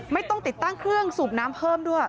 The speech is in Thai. ไม่ต้องติดตั้งเครื่องสูบน้ำเพิ่มด้วย